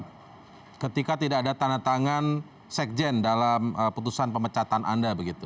bagaimana ketika tidak ada tanda tangan sekjen dalam putusan pemecatan anda begitu